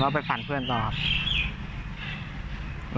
แล้วไปฝันเพื่อนตัว